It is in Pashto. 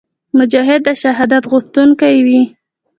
مجاهد د شهادت غوښتونکی وي.